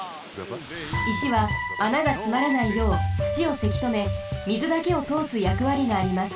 いしは穴がつまらないようつちをせきとめみずだけをとおすやくわりがあります。